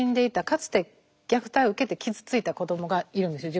かつて虐待を受けて傷ついた子どもがいるんですよ